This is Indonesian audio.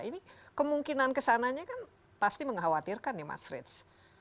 ini kemungkinan kesananya kan pasti mengkhawatirkan ya mas frits